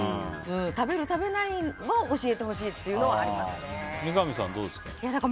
食べる、食べないを教えてほしいっていうのは三上さん、どうですか？